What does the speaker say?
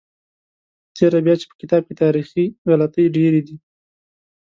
په تېره بیا چې په کتاب کې تاریخي غلطۍ ډېرې دي.